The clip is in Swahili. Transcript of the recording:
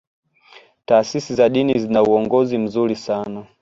taasisi za dini zina uongozi mzuri sana